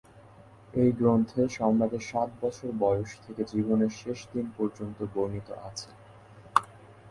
এই গ্রন্থে সম্রাটের সাত বছর বয়স থেকে জীবনের শেষ দিন পর্যন্ত বর্ণিত আছে।